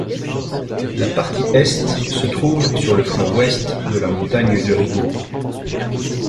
La partie est se trouve sur le flanc ouest de la montagne de Rigaud.